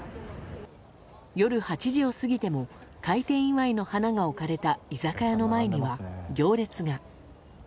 夜８時を過ぎても開店祝いの花が置かれた居酒屋の前には行列が。